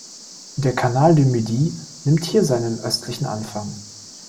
Der Canal du Midi nimmt hier seinen östlichen Anfang.